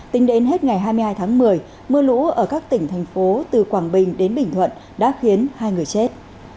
tính đến hết ngày hai mươi hai tháng một mươi mưa lũ ở các tỉnh thành phố từ quảng bình đến bình thuận đã khiến hai người chết